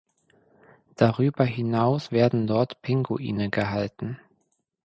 Darüber hinaus werden dort Pinguine gehalten.